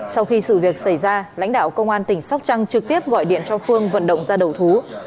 sau khi sự việc xảy ra lãnh đạo công an tỉnh sóc trăng trực tiếp gọi điện cho phương vận động ra đầu thú